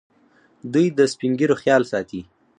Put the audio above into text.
دوی د سپین ږیرو خیال ساتي.